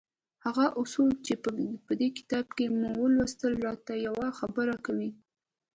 هغه اصول چې په دې کتاب کې مو ولوستل را ته يوه خبره کوي.